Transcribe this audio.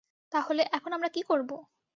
তাহলে, এখন আমরা কী করবো?